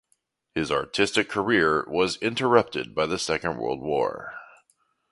His artistic career was interrupted by the Second World War.